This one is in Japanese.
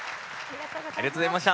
ありがとうございます。